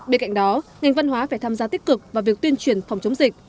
bên cạnh đó ngành văn hóa phải tham gia tích cực vào việc tuyên truyền phòng chống dịch